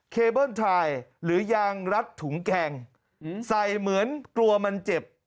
เคเบิ้ลทรายหรือยางรัดถุงแกงใส่เหมือนกลัวมันเจ็บ